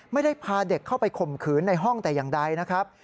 ไม่ได้พาเด็กเข้าไปข่มขืนในห้องแต่อย่างใดนะครับ